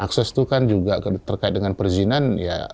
akses itu kan juga terkait dengan perizinan ya